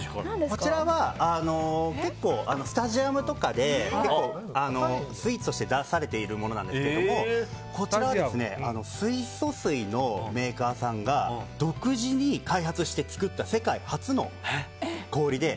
こちらは結構、スタジアムとかでスイーツとして出されてるものなんですけどこちらは水素水のメーカーさんが独自に開発して作った世界初の氷で。